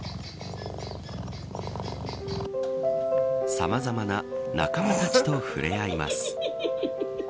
さまざまな仲間たちと触れ合います。